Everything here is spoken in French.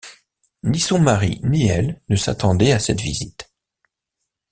Ni son mari ni elle ne s’attendaient à cette visite...